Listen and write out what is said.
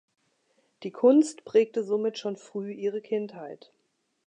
Die Kunst prägte somit schon früh ihre Kindheit.